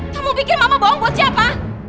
kamu pikir mama bohong buat siapa